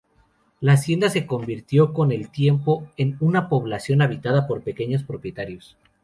La hacienda se convirtió, con el tiempo, en una población habitada por pequeños propietarios.